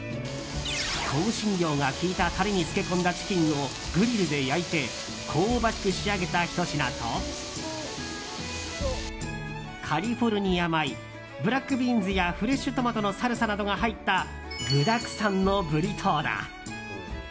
香辛料が効いたタレに漬け込んだチキンをグリルで焼いて香ばしく仕上げたひと品とカリフォルニア米ブラックビーンズやフレッシュトマトのサルサなどが入った具だくさんのブリトーだ。